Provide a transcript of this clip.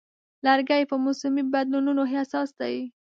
لرګی په موسمي بدلونونو حساس دی.